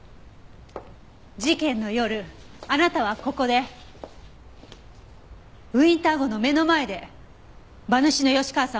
事件の夜あなたはここでウィンター号の目の前で馬主の吉川さんを殺害した。